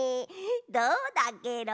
どうだケロ。